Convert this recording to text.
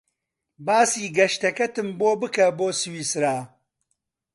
باسی گەشتەکەتم بۆ بکە بۆ سویسرا.